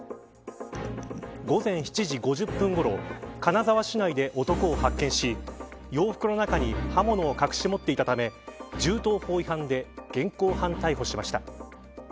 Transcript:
午前７時５０分ごろ金沢市内で男を発見し洋服の中に刃物を隠し持っていたため銃刀法違反で現行犯逮捕しました。